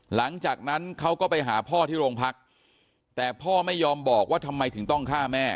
หลังจากนั้นเขาก็ไปหาพ่อที่โรงพักแต่พ่อไม่ยอมบอกว่าทำไมถึงต้องฆ่าแม่